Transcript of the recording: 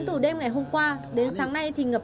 từ đêm ngày hôm qua đến sáng nay thì ngập